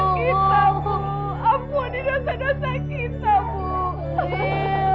kita tahu hidup kita gak bakalan lama lagi bu